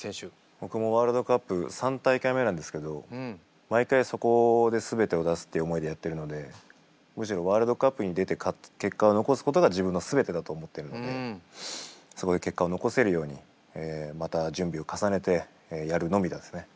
僕もワールドカップ３大会目なんですけど毎回そこで全てを出すっていう思いでやってるのでむしろワールドカップに出て結果を残すことが自分の全てだと思ってるんでそこで結果を残せるようにまた準備を重ねてやるのみですね。